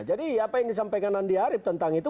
jadi apa yang disampaikan andi arief tentang itu